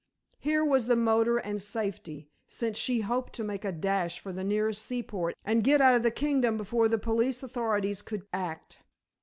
Here was the motor and safety, since she hoped to make a dash for the nearest seaport and get out of the kingdom before the police authorities could act.